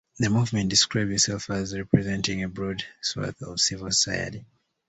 The movement describes itself as representing a broad swathe of civil society.